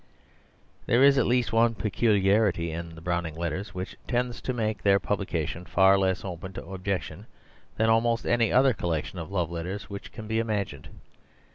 There is at least one peculiarity in the Browning Letters which tends to make their publication far less open to objection than almost any other collection of love letters which can be imagined.